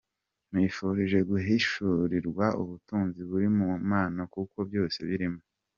Nkwifurije guhishurirwa ubutunzi buri mu Mana kuko byose birimo.